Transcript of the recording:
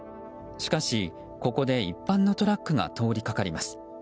しかし、ここで一般のトラックが通りかかります。